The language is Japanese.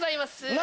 何？